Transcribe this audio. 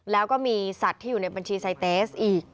แล้วก็มีสัตว์ที่อยู่ในบัญชีไซเตสอีก